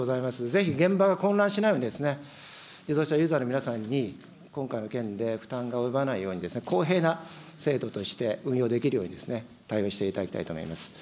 ぜひ現場が混乱しないように、自動車ユーザーの皆さんに今回の件で負担が及ばないように、公平な制度として運用できるように対応していただきたいと思います。